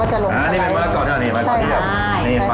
หั่น